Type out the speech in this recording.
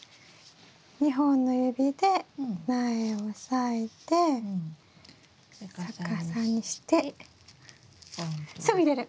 ２本の指で苗を押さえて逆さにしてすぐ入れる！